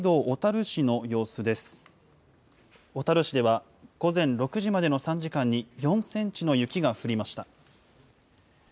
小樽市では午前６時までの３時間に４センチの雪が降りました。